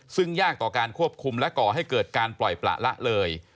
ซึ่งยากต่อการควบคุมและก่อให้เกิดการปล่อยประละเลย